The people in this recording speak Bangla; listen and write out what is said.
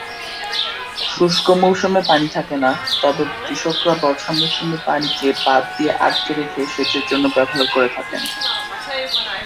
শুষ্ক মৌসুমে পানি থাকে না, তবে কৃষকরা বর্ষা মৌসুমের পানিকে বাঁধ দিয়ে আটকে রেখে সেচের জন্য ব্যবহার করে থাকে।